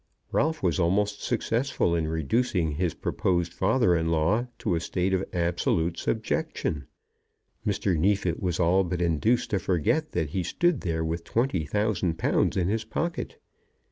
Ralph was almost successful in reducing his proposed father in law to a state of absolute subjection. Mr. Neefit was all but induced to forget that he stood there with twenty thousand pounds in his pocket.